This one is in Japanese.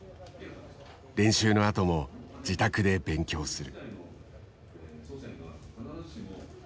練習のあとも自宅で勉強する。